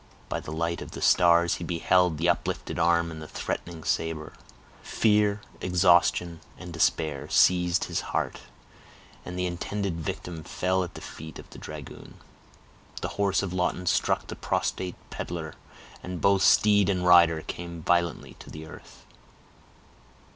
By the light of the stars he beheld the uplifted arm and the threatening saber. Fear, exhaustion, and despair seized his heart, and the intended victim fell at the feet of the dragoon. The horse of Lawton struck the prostrate peddler, and both steed and rider came violently to the earth.